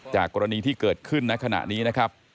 กรณีที่เกิดขึ้นในขณะนี้นะครับ